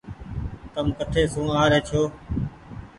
تم ڪٺي سون آ ري ڇو۔